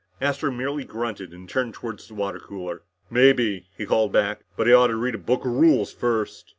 Astro merely grunted as he turned toward the water cooler. "Maybe," he called back. "But he ought to read a book of rules first!"